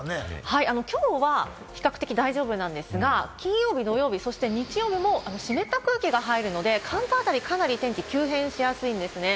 きょうは比較的大丈夫なんですが、金曜日、土曜日、日曜日も湿った空気が入るので、関東辺りは、かなり天気が急変しそうです。